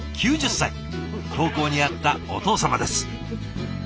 投稿にあったお父様です。